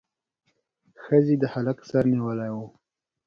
ښځې د هلک سر نیولی و.